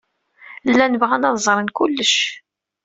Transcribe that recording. Llan bɣan ad ẓren kullec.